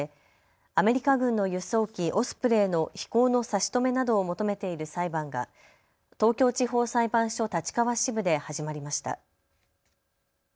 アメリカ軍の輸送機、オスプレイの飛行の差し止めなどを求めている裁判が東京地方裁判所立川支部で始まりました。